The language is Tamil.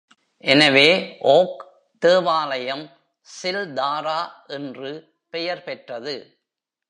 எனவே ஓக் தேவாலயம் சில் தாரா என்று பெயர்பெற்றது.